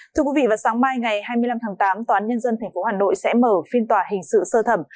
thưa quý vị vào sáng mai ngày hai mươi năm tháng tám tòa án nhân dân tp hà nội sẽ mở phiên tòa hình sự sơ thẩm